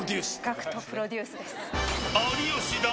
ＧＡＣＫＴプロデュースです。